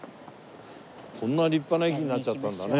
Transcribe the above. こんな立派な駅になっちゃったんだね。